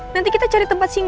nanti kita cari tempat singkat